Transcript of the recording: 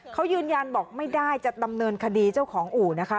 เขายืนยันบอกไม่ได้จะดำเนินคดีเจ้าของอู่นะคะ